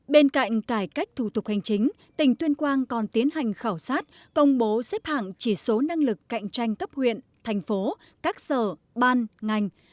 bên cạnh cải cách thủ tục hành chính tỉnh tuyên quang còn tiến hành khảo sát công bố xếp hạng chỉ số năng lực cạnh tranh cấp huyện thành phố các sở ban ngành